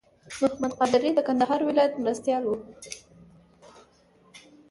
محمد قادري د کندهار ولایت مرستیال و.